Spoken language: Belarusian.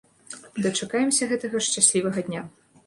Дачакаемся гэтага шчаслівага дня.